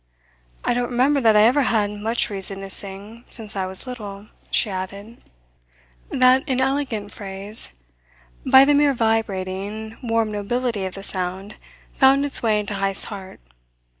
"I don't remember that I ever had much reason to sing since I was little," she added. That inelegant phrase, by the mere vibrating, warm nobility of the sound, found its way into Heyst's heart.